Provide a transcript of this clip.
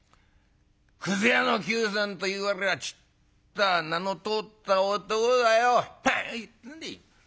くず屋のきゅうさんといわれりゃちっとは名の通った男だよ。何を言ってるんでい。